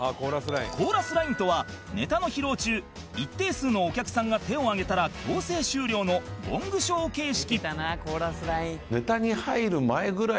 コーラスラインとはネタの披露中一定数のお客さんが手を挙げたら強制終了のゴングショー形式